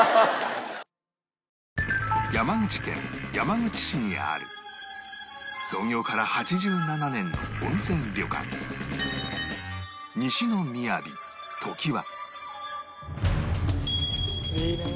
山口県山口市にある創業から８７年の温泉旅館いいねえ！